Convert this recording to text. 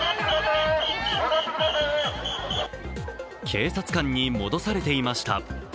警察官に戻されていました。